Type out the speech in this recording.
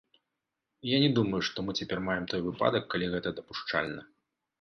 Я не думаю, што мы цяпер маем той выпадак, калі гэта дапушчальна.